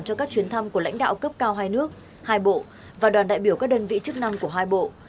cho các chuyến thăm của lãnh đạo cấp cao hai nước hai bộ và đoàn đại biểu các đơn vị chức năng của hai bộ